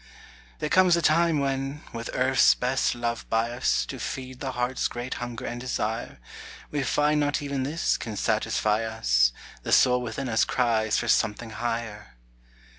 There comes a time, when, with earth's best love by us, To feed the heart's great hunger and desire, We find not even this can satisfy us; The soul within us cries for something higher.